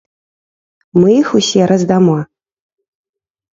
Мы іх усе раздамо.